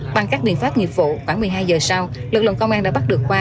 bằng các biện pháp nghiệp vụ khoảng một mươi hai giờ sau lực lượng công an đã bắt được khoa